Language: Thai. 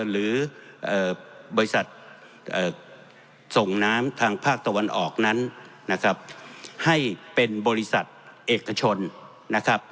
หรือบริษัทส่งน้ำทางภาคตะวันออกนั้นนะครับให้เป็นบริษัทเอกชนนะครับ